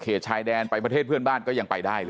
ชายแดนไปประเทศเพื่อนบ้านก็ยังไปได้เลย